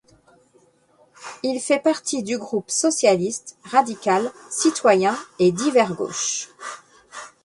Il fait partie du groupe socialiste, radical, citoyen et divers gauche.